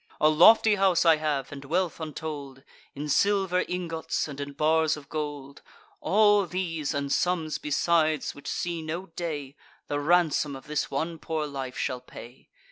A lofty house I have, and wealth untold, In silver ingots, and in bars of gold: All these, and sums besides, which see no day, The ransom of this one poor life shall pay.